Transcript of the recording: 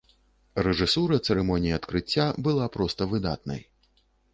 Рэжысура цырымоніі адкрыцця была проста выдатнай.